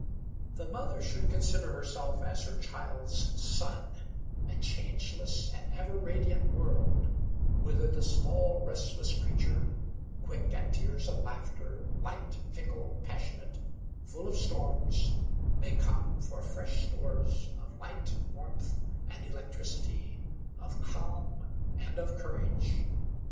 The mother should consider herself as her child's sun, a changeless and ever radiant world, whither the small restless creature, quick at tears and laughter, light, fickle, passionate, full of storms, may come for fresh stores of light, warmth, and electricity, of calm and of courage.